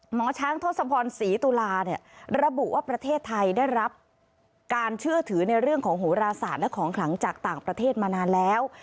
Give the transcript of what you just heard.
หมอช้างทศพรศรีตุลาเนี่ยระบุว่าประเทศไทยได้รับการเชื่อถือในเรื่องของโหราศาสตร์และของขลังจากต่างประเทศมานานแล้ว